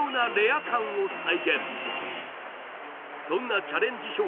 そんなチャレンジ